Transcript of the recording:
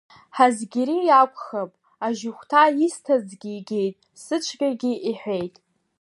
Ҳазгьери иакәхап, ажьыхәҭа исҭазгьы игеит, сыцәгьагьы иҳәеит.